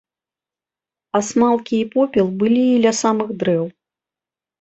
Асмалкі і попел былі і ля самых дрэў.